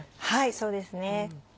はいそうですね。